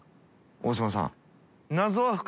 大島さん）